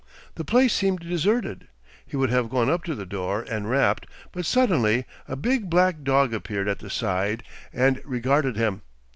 The place seemed deserted. He would have gone up to the door and rapped, but suddenly a big black dog appeared at the side and regarded him.